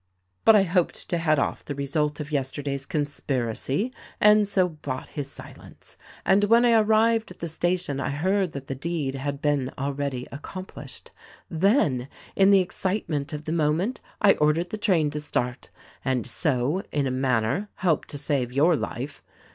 "But I hoped to head off the result of yesterday's con spiracy, and so bought his silence; and when I arrived at the station I heard that the deed had been already accom plished. Then, in the excitement of the moment, I ordered the train to start ; and so, in a manner, helped to save your life.